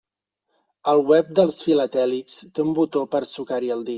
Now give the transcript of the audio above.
El web dels filatèlics té un botó per sucar-hi el dit.